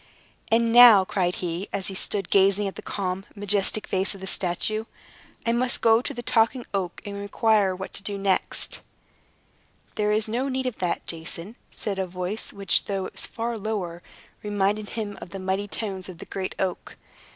"And now," cried he, as he stood gazing at the calm, majestic face of the statue, "I must go to the Talking Oak and inquire what next to do." "There is no need of that, Jason," said a voice which, though it was far lower, reminded him of the mighty tones of the great oak.